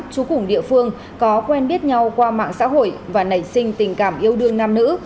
chú cùng địa phương có quen biết nhau qua mạng xã hội và nảy sinh tình cảm yêu đương nam nữ